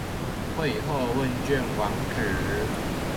會後問卷網址